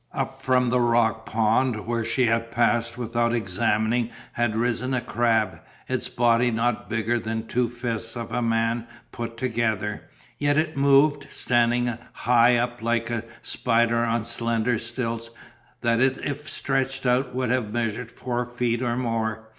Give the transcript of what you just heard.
Up from a rock pond which she had passed without examining had risen a crab, its body was not bigger than the two fists of a man put together, yet it moved standing high up like a spider on slender stilts that if stretched out would have measured four feet or more.